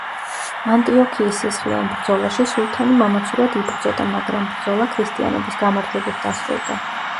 ანტიოქიის სისხლიან ბრძოლაში, სულთანი მამაცურად იბრძოდა, მაგრამ ბრძოლა ქრისტიანების გამარჯვებით დასრულდა.